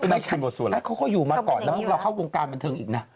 ไม่ใช่เขาก็อยู่มาก่อนแล้วพวกเราเข้าวงการบันเทิงอีกนะ